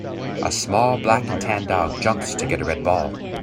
A small black and tan dog jumps to get a red ball.